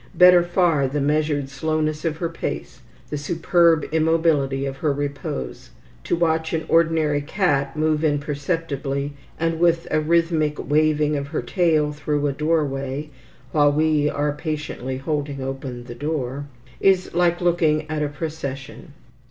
Better far the measured slowness of her pace, the superb immobility of her repose. To watch an ordinary cat move imperceptibly and with a rhythmic waving of her tail through a doorway (while we are patiently holding open the door), is like looking at a procession.